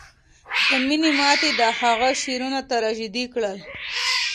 د مینې ماتې د هغه شعرونه تراژیدي کړل